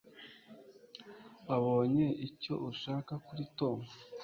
wabonye icyo ushaka kuri tom